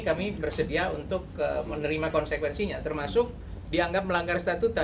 kami bersedia untuk menerima konsekuensinya termasuk dianggap melanggar statuta